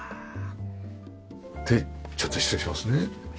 でちょっと失礼しますね。